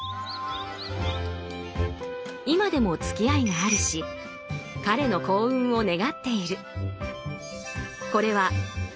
今でもつきあいがあるし彼の幸運を願っている。